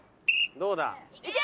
どうだ？